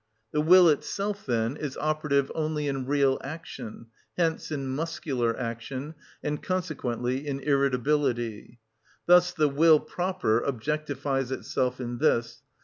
The will itself, then, is operative only in real action; hence in muscular action, and consequently in irritability. Thus the will proper objectifies itself in this.